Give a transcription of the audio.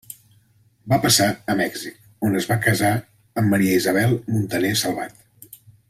Va passar a Mèxic, on es va casa amb Maria Isabel Muntaner Salvat.